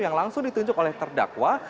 yang langsung ditunjuk oleh terdakwa